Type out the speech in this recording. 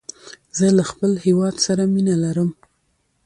زه له خپل هيواد سره مینه لرم.